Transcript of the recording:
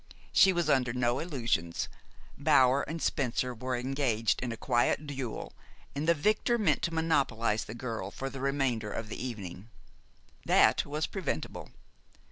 She was under no illusions. Bower and Spencer were engaged in a quiet duel, and the victor meant to monopolize the girl for the remainder of the evening. That was preventable.